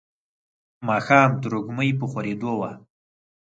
ماښام تروږمۍ په خورېدو وه.